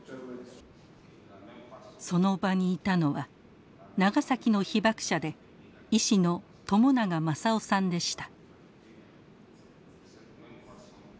その場にいたのは長崎の被爆者で医師の朝長万左男さんでした。